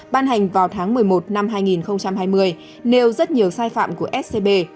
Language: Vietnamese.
ban hành vào tháng một mươi một năm hai nghìn hai mươi nêu rất nhiều sai phạm của scb